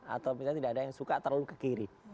atau misalnya tidak ada yang suka terlalu ke kiri